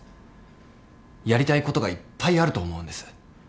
やりたいことがいっぱいあると思うんです。